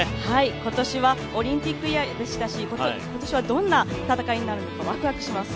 今年はオリンピックイヤーでしたし、今年はどんな戦いになるのかワクワクします。